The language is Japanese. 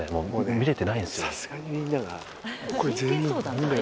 見れてないんですよ。